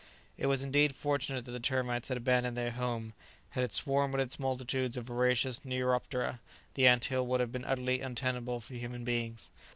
It was indeed fortunate that the termites had abandoned their home; had it swarmed with its multitudes of voracious Neuroptera, the ant hill would have been utterly untenable for human beings.